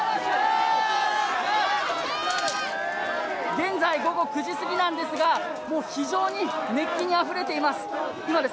現在午後９時過ぎなんですがもう非常に熱気にあふれています。